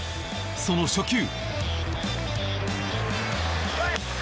その初球。